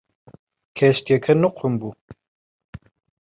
کەشتیەکە نوقم بوو.